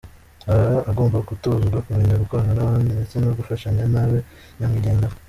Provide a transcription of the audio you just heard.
Aba agomba gutozwa kumenya gukorana n’abandi ndetse no gufashanya ntabe nyamwigendaho.